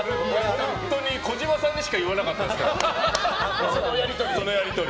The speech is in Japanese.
本当に児嶋さんにしか言わなかったんですからそのやり取り。